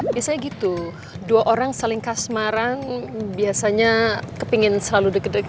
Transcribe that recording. biasanya gitu dua orang saling kasmaran biasanya kepengen selalu deg deg